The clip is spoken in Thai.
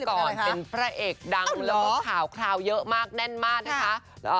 ก่อนเป็นพระเอกดังแล้วก็ข่าวคราวเยอะมากแน่นมากนะคะ